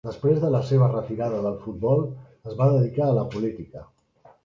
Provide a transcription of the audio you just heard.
Després de la seva retirada del futbol, es va dedicar a la política.